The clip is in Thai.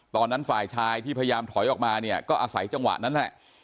ฝ่ายชายที่พยายามถอยออกมาเนี่ยก็อาศัยจังหวะนั้นแหละ